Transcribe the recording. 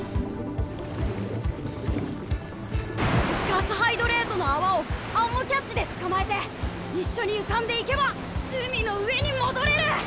ガスハイドレートの泡をアンモキャッチで捕まえて一緒に浮かんでいけば海の上に戻れる！